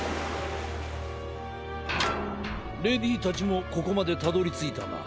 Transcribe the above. レディーたちもここまでたどりついたな。